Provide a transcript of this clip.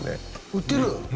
売ってる？